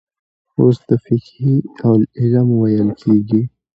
او د فقهي علم ويل کېږي.